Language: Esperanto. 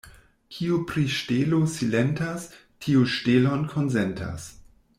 Kiu pri ŝtelo silentas, tiu ŝtelon konsentas.